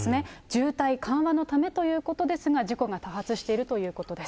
渋滞緩和のためということですが、事故が多発しているということです。